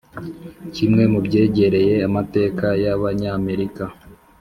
kimwe mu byegereye amateka y'abanyamerika